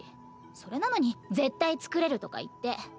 それなのに絶対作れるとか言って。